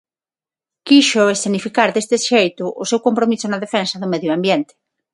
Quixo escenificar deste xeito o seu compromiso na defensa do medio ambiente.